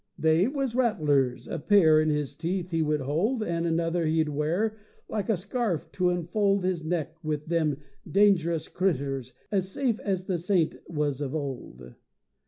They was rattlers; a pair In his teeth he would hold, And another he'd wear Like a scarf to enfold His neck, with them dangerous critters as safe as the saint was of old.